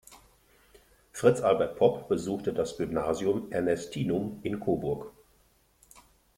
Fritz-Albert Popp besuchte das Gymnasium Ernestinum in Coburg.